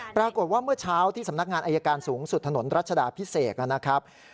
เมื่อเช้าที่สำนักงานอายการสูงสุดถนนรัชดาพิเศษนะครับ